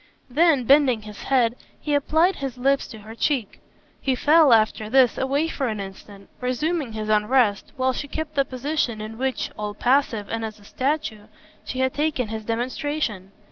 Then bending his head he applied his lips to her cheek. He fell, after this, away for an instant, resuming his unrest, while she kept the position in which, all passive and as a statue, she had taken his demonstration.